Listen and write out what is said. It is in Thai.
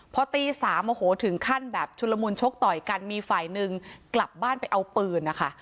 พอตีสามโอ้โหถึงขั้นแบบชุลมุนชกต่อยกันมีฝ่ายหนึ่งกลับบ้านไปเอาปืนนะคะ